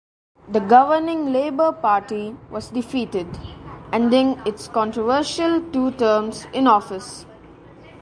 The governing Labour Party was defeated, ending its controversial two terms in office.